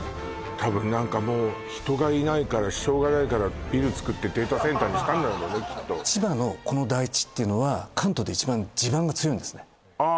多分何かもう人がいないからしょうがないからビルつくってデータセンターにしたんだろうねきっと千葉のこの台地っていうのは関東で一番地盤が強いんですねああ